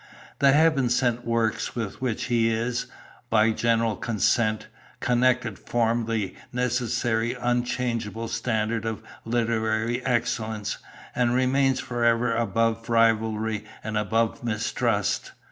The Heaven sent works with which he is, by general consent, connected form the necessary unchangeable standard of literary excellence, and remain for ever above rivalry and above mistrust.